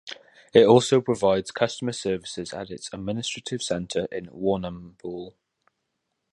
It also provides customer services at its administrative centre in Warrnambool.